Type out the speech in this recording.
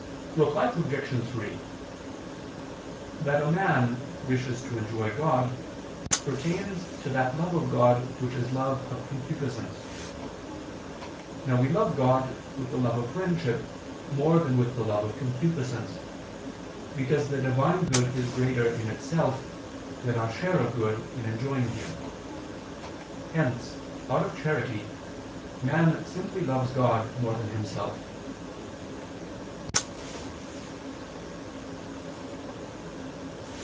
Reply Obj. 3: That a man wishes to enjoy God pertains to that love of God which is love of concupiscence. Now we love God with the love of friendship more than with the love of concupiscence, because the Divine good is greater in itself, than our share of good in enjoying Him. Hence, out of charity, man simply loves God more than himself.